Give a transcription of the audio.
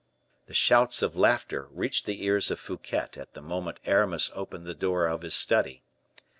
The shouts of laughter reached the ears of Fouquet at the moment Aramis opened the door of the study.